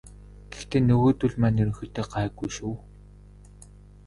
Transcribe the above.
Гэхдээ нөгөөдүүл маань ерөнхийдөө гайгүй шүү.